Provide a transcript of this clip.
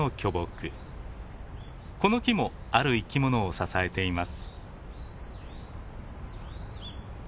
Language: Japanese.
この木もある生き物を支えています。